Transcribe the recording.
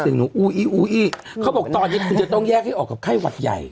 หนูอูอี้อูอี้เขาบอกตอนนี้คุณจะต้องแยกให้ออกกับไข้หวัดใหญ่